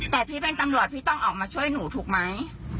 แต่พี่เป็นตำรวจพี่ต้องออกมาช่วยหนูถูกไหม